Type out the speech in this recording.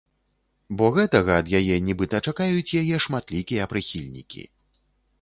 Бо гэтага ад яе нібыта чакаюць яе шматлікія прыхільнікі.